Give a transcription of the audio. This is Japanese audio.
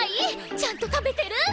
ちゃんと食べてる？